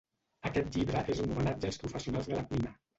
Aquest llibre és un homenatge als professionals de la cuina